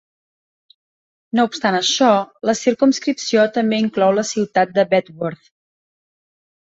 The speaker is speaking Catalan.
No obstant això, la circumscripció també inclou la ciutat de Bedworth.